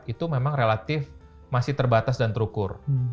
itu memang relatif masih terbatas dan terukur